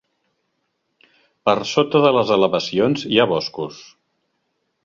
Per sota de les elevacions hi ha boscos.